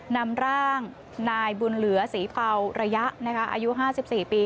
นำร่างนายบุญเหลือศรีเภาระยะอายุ๕๔ปี